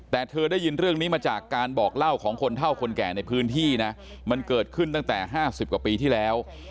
แต่เธอได้ยินเรื่องนี้มาจากการบอกเล่าของคนเท่าคนแก่ในพื้นที่นะมันเกิดขึ้นตั้งแต่๕๐กว่าปีที่แล้ว